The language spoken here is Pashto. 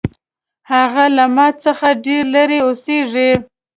هغه له ما څخه ډېر لرې اوسیږي